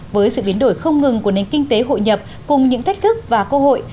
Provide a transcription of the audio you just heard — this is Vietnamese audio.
với sự biến đổi không ngừng của nền kinh tế hội nhập cùng những thách thức và cơ hội